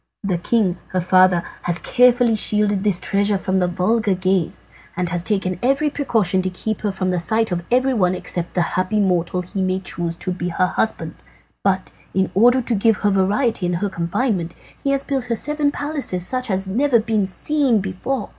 "The king, her father, has carefully shielded this treasure from the vulgar gaze, and has taken every precaution to keep her from the sight of everyone except the happy mortal he may choose to be her husband. But in order to give her variety in her confinement he has built her seven palaces such as have never been seen before.